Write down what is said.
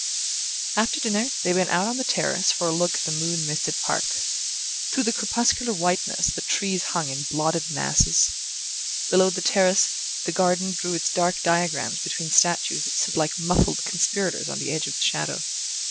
After dinner they went out on the terrace for a look at the moon misted park. Through the crepuscular whiteness the trees hung in blotted masses. Below the terrace, the garden drew its dark diagrams between statues that stood like muffled conspirators on the edge of the shadow.